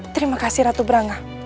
terima kasih ratu branga